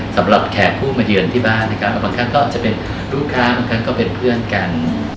แขกผู้มาเยือนที่บ้านนะครับบางครั้งก็จะเป็นลูกค้าบางครั้งก็เป็นเพื่อนกัน